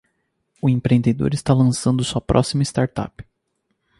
O empreendedor está lançando sua próxima startup.